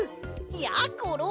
やころ！